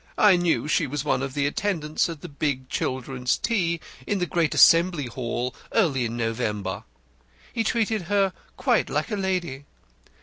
I knew she was one of the attendants at the big children's tea in the Great Assembly Hall early in November. He treated her quite like a lady.